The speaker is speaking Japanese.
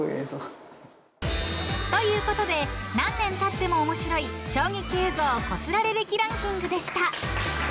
［ということで何年たっても面白い衝撃映像こすられ歴ランキングでした］